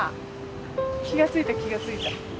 気がついた気がついた。